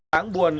vụ việc đáng buồn